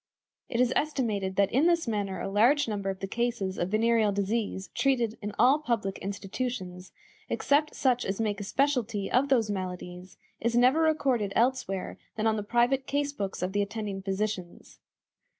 It is estimated that in this manner a large number of the cases of venereal disease treated in all public institutions, except such as make a specialty of those maladies, is never recorded elsewhere than on the private case books of the attending physicians.